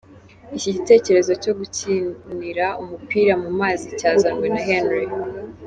Iki gitekerezo cyo gukinira umupira mu mazi cyazanwe na Henry.